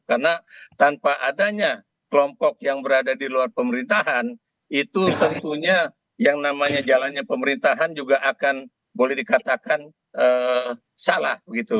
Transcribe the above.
karena tanpa adanya kelompok yang berada di luar pemerintahan itu tentunya yang namanya jalannya pemerintahan juga akan boleh dikatakan salah begitu